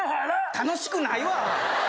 楽しくないわ！